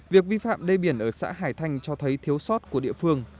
việc vi phạm đê biển ở xã hải thanh cho thấy thiếu sót của địa phương